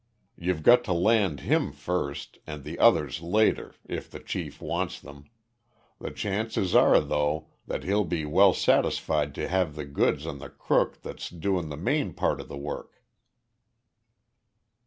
You've got to land him first and the others later, if the chief wants them. The chances are, though, that he'll be well satisfied to have the goods on the crook that's doing the main part of the work."